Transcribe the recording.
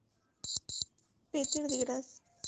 Peter de Graz.